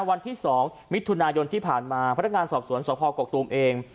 วันที่๒มิถุนายนที่ผ่านมาพนักงานสอบสวนสพกกตูมเอง